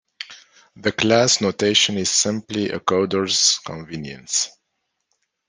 The class notation is simply a coder's convenience.